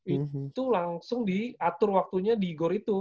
itu langsung diatur waktunya di gor itu